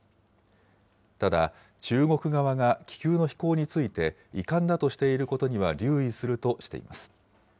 ただ、中国側が気球の飛行について遺憾だとしていることには留意するとしています。